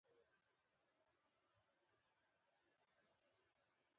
هو، لست جوړوم